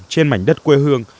trên mảnh đất quê hương